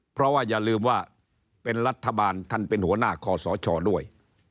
เพราะว่าอย่าลืมว่าเป็นรัฐบาลท่านเป็นหัวหน้าคอสชด้วย